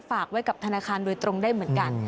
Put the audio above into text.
ฝากไว้กับธนาคารโดยตรงได้เหมือนกัน